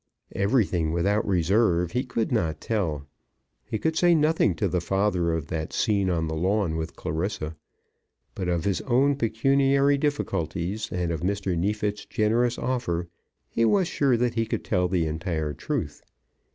Everything without reserve he could not tell. He could say nothing to the father of that scene on the lawn with Clarissa. But of his own pecuniary difficulties, and of Mr. Neefit's generous offer, he was sure that he could tell the entire truth.